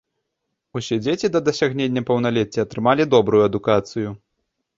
Усе дзеці да дасягнення паўналецця атрымалі добрую адукацыю.